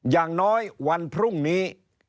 อย่างน้อยวันพรุ่งนี้